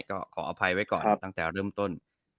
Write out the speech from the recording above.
ก็ขออภัยไว้ก่อนตั้งแต่เริ่มต้น